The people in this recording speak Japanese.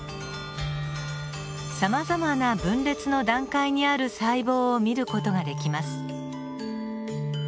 さまざまな分裂の段階にある細胞を見る事ができます。